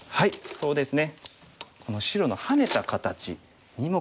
そうですね。